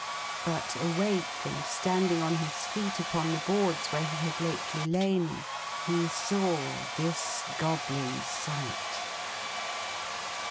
But, awake and standing on his feet upon the boards where he had lately lain, he saw this Goblin Sight.